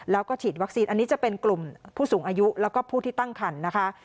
แล้วก็ฉีดวัคซีนอันนี้จะเป็นกลุ่มผู้สูงอายุแล้วก็ผู้ที่ตั้งคันนะคะ